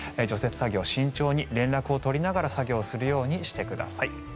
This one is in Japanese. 除雪作業慎重に連絡を取りながら作業をするようにしてください。